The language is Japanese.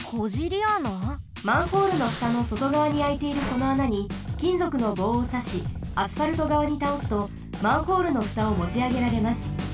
マンホールのふたのそとがわにあいているこの穴にきんぞくのぼうをさしアスファルトがわにたおすとマンホールのふたをもちあげられます。